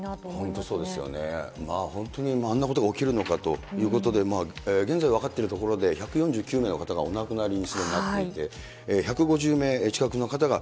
本当そうですよね、まあ本当にあんなことが起きるのかということで、現在分かっているところで、１４９名の方がお亡くなりになっていて、１５０名近くの方が。